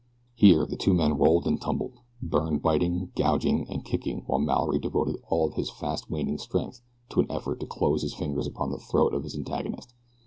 Here the two men rolled and tumbled, Byrne biting, gouging, and kicking while Mallory devoted all of his fast waning strength to an effort to close his fingers upon the throat of his antagonist.